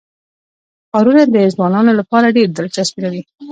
ښارونه د ځوانانو لپاره ډېره دلچسپي لري.